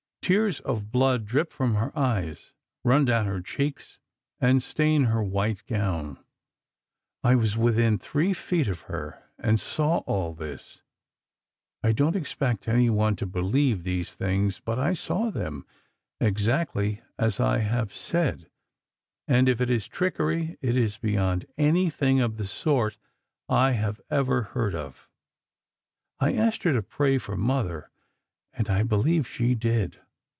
Tears of blood drip from her eyes, run down her cheeks, and stain her white gown. I was within three feet of her, and saw all this. I don't expect anyone to believe these things, but I saw them, exactly as I have said, and if it is trickery, it is beyond anything of the sort I have ever heard of. I asked her to pray for Mother, and I believe she did.